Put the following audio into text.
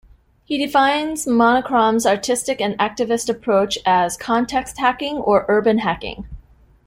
He defines monochrom's artistic and activist approach as 'Context hacking' or 'Urban Hacking'.